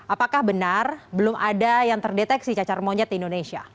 apakah benar belum ada yang terdeteksi cacar monyet di indonesia